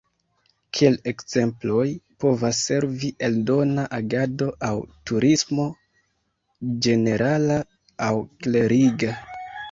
Kiel ekzemploj povas servi eldona agado aŭ turismo (ĝenerala aŭ kleriga).